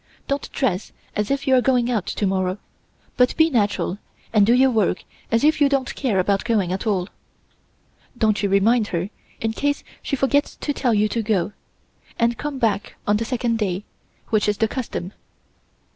Don't dress as if you are going out to morrow, but be natural and do your work as if you don't care about going at all. Don't you remind her, in case she forgets to tell you to go, and come back on the second day, which is the custom.